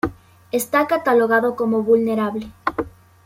Está catalogado como vulnerable.